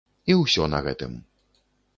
І ўсё на гэтым!